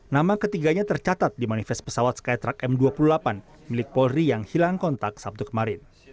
nama ketiganya tercatat di manifest pesawat skytruck m dua puluh delapan milik polri yang hilang kontak sabtu kemarin